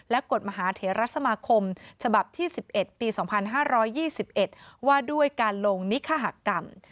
กฎมหาเถระสมาคมฉบับที่๑๑ปี๒๕๒๑ว่าด้วยการลงนิคกรรม